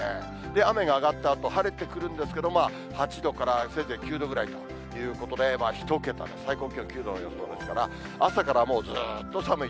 雨が上がったあと、晴れてくるんですけど、８度からせいぜい９度くらいということで、１桁、最高気温９度の予想ですから、朝からもうずっと寒い。